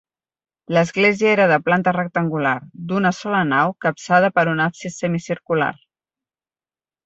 L'església era de planta rectangular, d'una sola nau capçada per un absis semicircular.